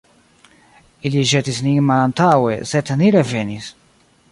Ili ĵetis nin malantaŭe, sed ni revenis.